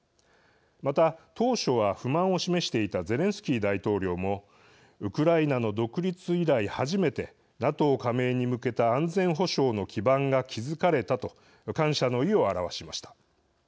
また、当初は不満を示していたゼレンスキー大統領もウクライナの独立以来初めてＮＡＴＯ加盟に向けた安全保障の基盤が築かれたと感謝の意を表しました。